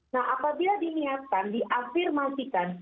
nah apabila diniatkan diafirmasikan